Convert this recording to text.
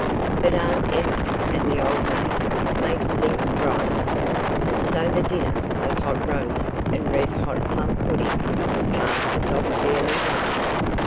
But Aunt Emma and the old mate make things brighter, and so the dinner—of hot roast and red hot plum pudding—passes off fairly well.